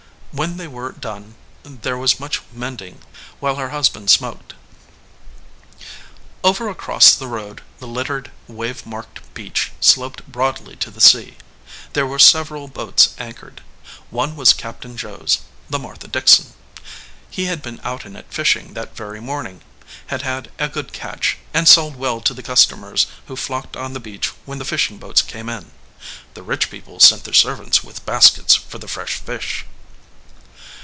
When they were done there was much mending while her husband smoked. Over across the road the littered, wave marked beach sloped broadly to the sea. There were sev eral boats anchored. One was Captain Joe s, the Martha Dickson. He had been out in it fishing that very morning, had had a good catch, and sold well to the customers who flocked on the beach when the fishing boats came in. The rich people sent their servants with baskets for the fresh fish.